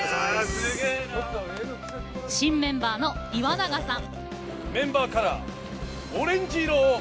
新メンバーの岩永さん。